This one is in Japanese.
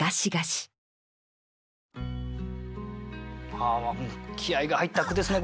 ああ気合いが入った句ですね